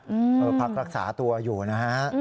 เออพักรักษาตัวอยู่นะฮะ